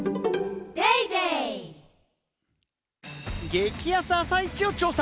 激安朝市を調査。